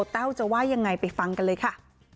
แต้วจะว่ายังไงไปฟังกันเลยค่ะ